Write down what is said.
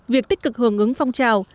việc tích cực hưởng ứng phong trào